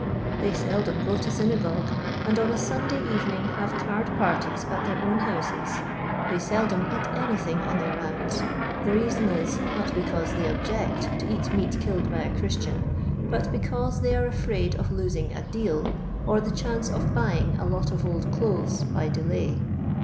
They seldom go to synagogue, and on a Sunday evening have card parties at their own houses. They seldom eat anything on their rounds. The reason is, not becanse they object to eat meat killed by a Christian, but because they are afraid of losing a ' deal,' or the chance of buying a lot of old clothes by dehiy.